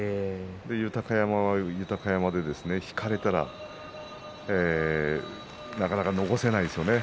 豊山は豊山で引かれたらなかなか残せないですね。